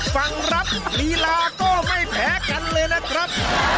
ฟังรับลีลาก็ไม่แพ้กันเลยนะครับ